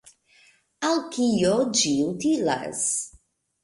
“Al kio ĝi utilas?